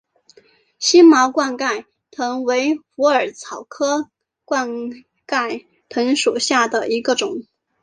星毛冠盖藤为虎耳草科冠盖藤属下的一个种。